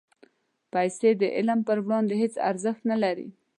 پېسې د علم پر وړاندې هېڅ ارزښت نه لري.